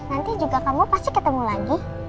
nanti juga kamu pasti ketemu lagi